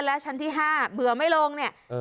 และชั้นที่๕เบื่อไม่ลงเนี่ย